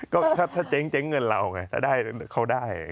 ก็ถ้าเจ๊งเงินเราไงถ้าเขาได้